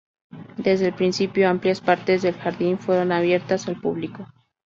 Desde el principio, amplias partes del jardín fueron abiertas al público.